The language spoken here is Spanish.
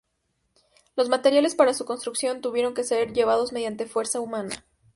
Los materiales para su construcción tuvieron que ser llevados mediante fuerza humana.